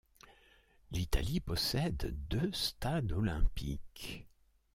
L'Italie possède deux stades olympiques.